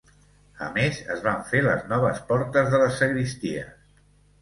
A més es van fer les noves portes de les sagristies.